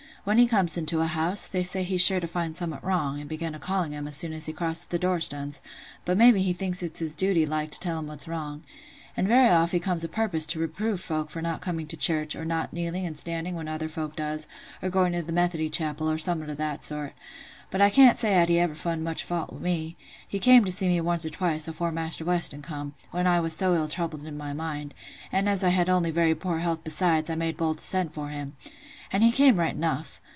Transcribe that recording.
When he comes into a house, they say he's sure to find summut wrong, and begin a calling 'em as soon as he crosses th' doorstuns: but maybe he thinks it his duty like to tell 'em what's wrong. And very oft he comes o' purpose to reprove folk for not coming to church, or not kneeling an' standing when other folk does, or going to the Methody chapel, or summut o' that sort: but I can't say 'at he ever fund much fault wi' me. He came to see me once or twice, afore Maister Weston come, when I was so ill troubled in my mind; and as I had only very poor health besides, I made bold to send for him—and he came right enough.